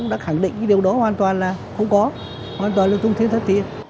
đã khẳng định cái điều đó hoàn toàn là không có hoàn toàn là thông tin thất thiệt